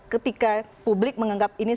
ketika publik menganggap ini